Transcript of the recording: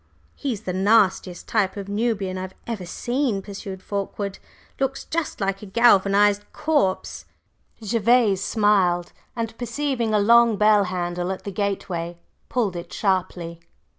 "He's the nastiest type of Nubian I have ever seen," pursued Fulkeward. "Looks just like a galvanized corpse." Gervase smiled, and perceiving a long bell handle at the gateway, pulled it sharply.